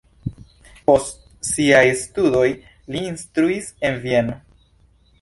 Post siaj studoj li instruis en Vieno.